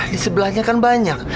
di sebelahnya kan banyak